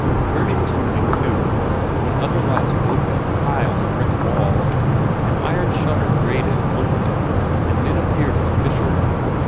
Gurdy was moving, too, when other lights woke high on the brick wall. An iron shutter grated, opening, and men appeared in the fissure.